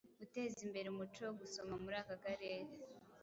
guteza imbere umuco wo gusoma muri aka karere.